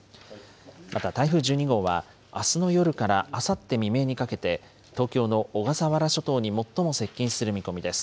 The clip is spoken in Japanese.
また台風１２号は、あすの夜からあさって未明にかけて、東京の小笠原諸島に最も接近する見込みです。